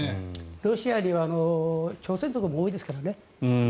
ロシアには朝鮮族も多いですけどね。